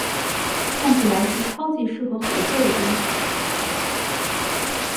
看起来是超级适合合作的东西